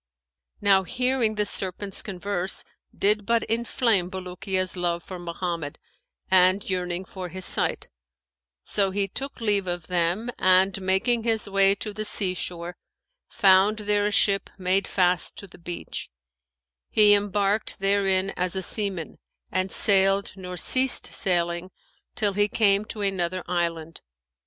Now hearing the serpents' converse did but inflame Bulukiya's love for Mohammed and yearning for his sight; so he took leave of them; and, making his way to the sea shore, found there a ship made fast to the beach; he embarked therein as a seaman and sailed nor ceased sailing till he came to another island.